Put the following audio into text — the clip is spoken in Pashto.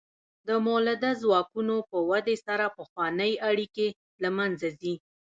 د مؤلده ځواکونو په ودې سره پخوانۍ اړیکې له منځه ځي.